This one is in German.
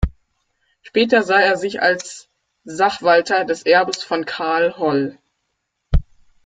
Später sah er sich als Sachwalter des Erbes von Karl Holl.